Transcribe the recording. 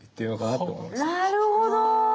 なるほど。